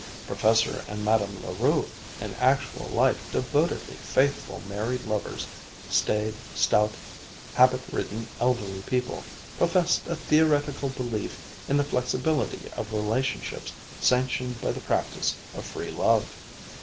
Professor and Madame La Rue, in actual life devotedly faithful married lovers, staid, stout, habit ridden elderly people, professed a theoretical belief in the flexibility of relationships sanctioned by the practice of free love.